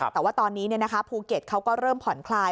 แต่ว่าตอนนี้ภูเก็ตเขาก็เริ่มผ่อนคลาย